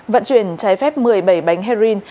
vận chuyển trái phép một mươi bảy bánh herring